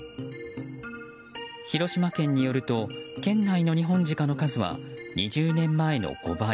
広島県によると県内のニホンジカの数は２０年前の５倍。